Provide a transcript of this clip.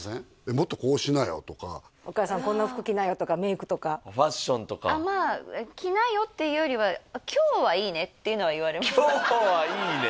「もっとこうしなよ」とか「お母さんこんな服着なよ」とかメイクとかファッションとか「着なよ」っていうよりはっていうのは言われます「今日はいいね」